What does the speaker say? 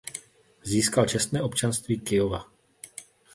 Získal čestné občanství Kyjova.